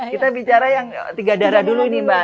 kita bicara yang tiga darah dulu nih mbak